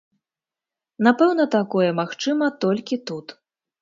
Напэўна, такое магчыма толькі тут.